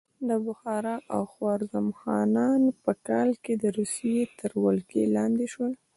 د بخارا او خوارزم خانان په کال کې د روسیې تر ولکې لاندې شول.